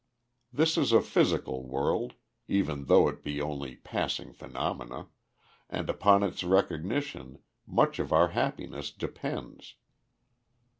This is a physical world, even though it be only passing phenomena, and upon its recognition much of our happiness depends.